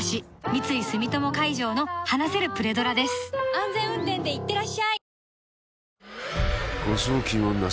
安全運転でいってらっしゃい